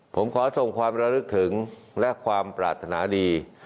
ผมขอส่งความระลึกถึงและความปรารถนาดี